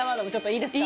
いいですか？